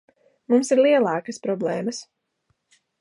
Mums ir lielākas problēmas.